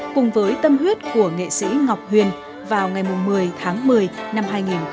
cùng với tâm huyết của nghệ sĩ ngọc huyền vào ngày một mươi tháng một mươi năm hai nghìn một mươi